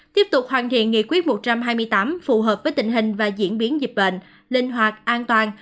tiếp tục hoàn thiện nghị quyết một trăm hai mươi tám phù hợp với tình hình và diễn biến dịch bệnh linh hoạt an toàn